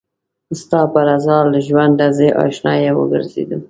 ستا په رضا له ژونده زه اشنايه وګرځېدم